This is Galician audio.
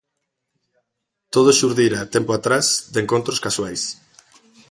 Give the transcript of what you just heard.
Todo xurdira, tempo atrás, de encontros casuais.